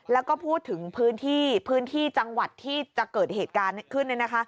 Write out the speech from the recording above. แล้วก็พูดถึงพื้นที่พื้นที่จังหวัดที่จะเกิดเหตุการณ์ขึ้น